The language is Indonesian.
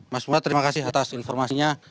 mas umar terima kasih atas informasinya